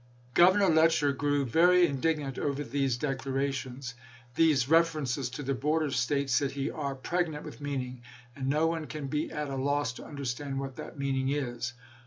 Governor Letcher grew very indignant over these declarations. "These references to the border States," said he, "are pregnant with meaning, and no one. can be at a loss to understand what that meaning is.